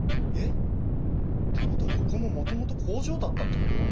ってことはここももともと工場だったってこと！？